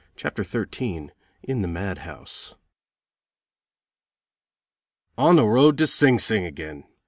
CHAPTER XIII. In the Mad House. On the road to Sing Sing again!